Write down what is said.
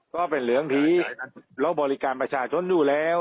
ก็เป็นเรื่องที่เราบริการประชาชนอยู่แล้ว